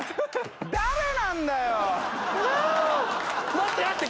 待って待って！